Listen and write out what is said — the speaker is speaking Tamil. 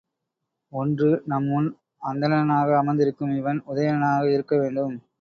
ஒன்று, நம்முன் அந்தணனாக அமர்ந்திருக்கும் இவன் உதயணனாக இருக்கவேண்டும்!